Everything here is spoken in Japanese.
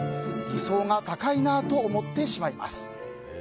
理想が高いなと思ってしまいます。